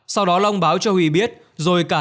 sau đó long báo cho huy biết rồi cả